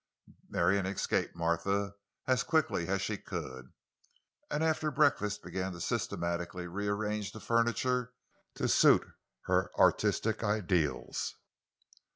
Marion escaped Martha as quickly as she could; and after breakfast began systematically to rearrange the furniture to suit her artistic ideals.